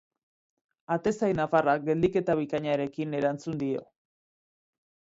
Atezain nafarrak geldiketa bikainarekin erantzun dio.